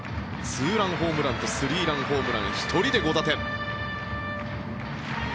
ツーランホームランとスリーランホームラン１人で５打点。